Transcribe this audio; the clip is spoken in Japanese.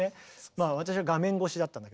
まあ私は画面越しだったんだけど見たの。